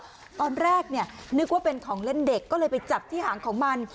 ตอนแรกเนี่ยนึกว่าเป็นของเล่นเด็กก็เลยไปจับที่หางของมัน